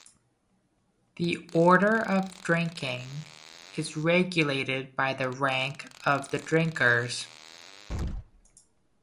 The order of drinking is regulated by the rank of the drinkers.